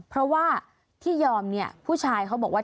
เพราะว่าที่ยอมเนี่ยผู้ชายเขาบอกว่า